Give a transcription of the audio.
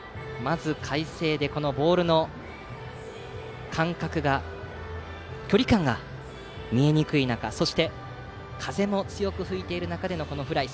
快晴でボールの距離感が見えにくい中そして風も強く吹いている中でのフライ。